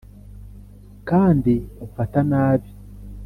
kandi umfata nabi